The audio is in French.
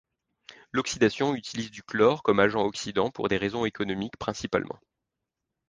L'oxydation utilise du chlore comme agent oxydant pour des raisons économiques principalement.